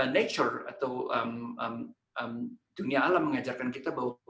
nature atau dunia alam mengajarkan kita bahwa